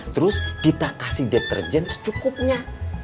terus kita kasih deterjen secukupnya